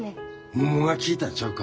桃が効いたんちゃうか？